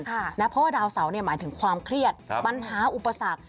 เพราะว่าดาวเสาหมายถึงความเครียดปัญหาอุปสรรค